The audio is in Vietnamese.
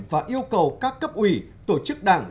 và yêu cầu các cấp ủy tổ chức đảng